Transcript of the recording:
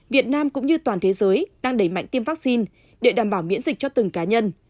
việt nam cũng như toàn thế giới đang đẩy mạnh tiêm vaccine để đảm bảo miễn dịch cho từng cá nhân